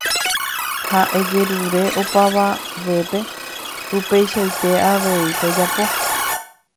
Ha ejerure opavavépe upeichaite avei tojapo.